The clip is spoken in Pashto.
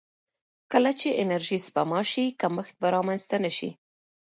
کله چې انرژي سپما شي، کمښت به رامنځته نه شي.